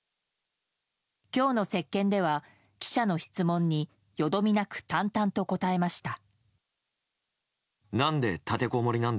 今日の接見では、記者の質問によどみなく淡々と答えました。